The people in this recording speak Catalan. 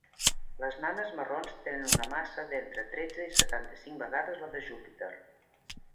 Les nanes marrons tenen una massa d'entre tretze i setanta-cinc vegades la de Júpiter.